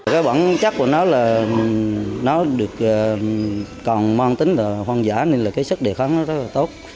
cái bản chất của nó là nó được còn mon tính là hoang dã nên là cái sức đề khóa nó rất là tốt